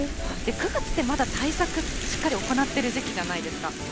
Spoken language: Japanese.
９月ってまだ対策、しっかり行っている時期じゃないですか。